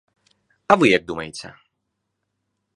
А вы як думаеце?